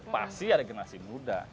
pasti ada generasi muda